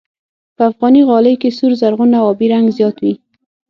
په افغاني غالۍ کې سور، زرغون او آبي رنګ زیات وي.